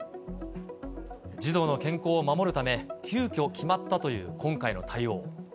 児童の健康を守るため、急きょ決まったという今回の対応。